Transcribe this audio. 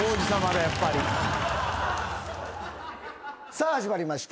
さあ始まりました。